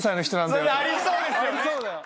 それありそうですよね。